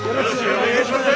お願いします！